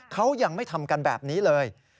เขายังไม่ทำกันแบบนี้เลย